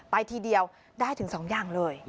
ทีเดียวได้ถึง๒อย่างเลย